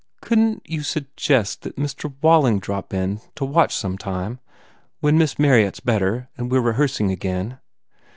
Couldn t you suggest that Mr. Walling drop in to watch sometime when Miss Marryatt s better and we re rehearsing again?"